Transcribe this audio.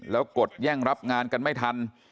แล้วกดแย่งรับงานกันไม่ทัน